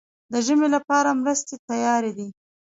د ژمي لپاره مرستې تیارې دي؟